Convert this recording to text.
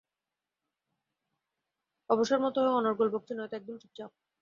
অবসরমত হয় অনর্গল বকছি, নয়তো একদম চুপচাপ।